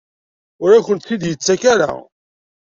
Ur akent-t-id-yettak ara?